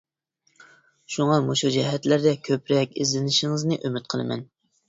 شۇڭا مۇشۇ جەھەتلەردە كۆپرەك ئىزدىنىشىڭىزنى ئۈمىد قىلىمەن.